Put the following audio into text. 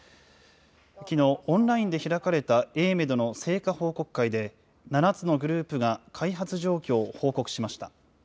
きのう、オンラインで開かれたＡＭＥＤの成果報告会で、７つのグループが開発状況を報告しました。